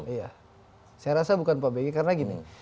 iya saya rasa bukan pak bg karena gini